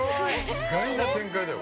意外な展開だよ。